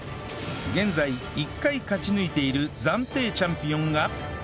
現在１回勝ち抜いている暫定チャンピオンが